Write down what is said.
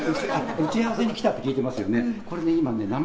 打ち合わせに来たって聞いてますよね。